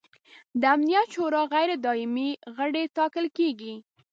د امنیت شورا غیر دایمي غړي ټاکل کیږي.